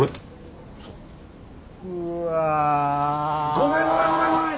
ごめんごめんごめんごめん！